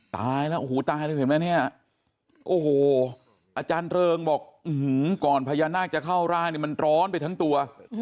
ตายแล้วโอ้โหตายแล้วเห็นไหมเนี่ยโอ้โหอาจารย์เริงบอกก่อนพญานาคจะเข้าร่างเนี่ยมันร้อนไปทั้งตัว